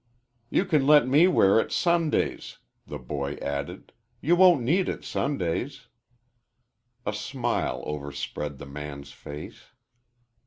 "You can let me wear it Sundays," the boy added. "You won't need it Sundays." A smile overspread the man's face.